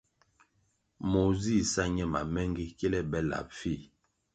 Moh zih sa ñe mamengi kile be lap fih.